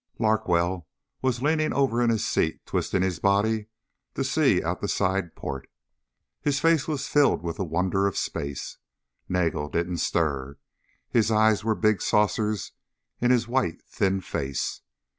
Larkwell was leaning over in his seat, twisting his body to see out the side port. His face was filled with the wonder of space. Nagel didn't stir. His eyes were big saucers in his white, thin face.